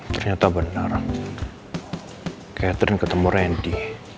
ternyata benar catherine ketemu randy